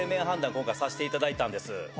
今回させていただいたんです。